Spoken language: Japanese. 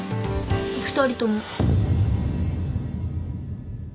２人とも。